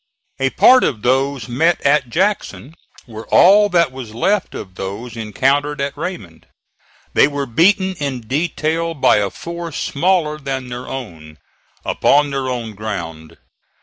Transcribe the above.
A part of those met at Jackson were all that was left of those encountered at Raymond. They were beaten in detail by a force smaller than their own, upon their own ground.